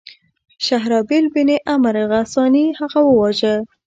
شهرابیل بن عمرو غساني هغه وواژه.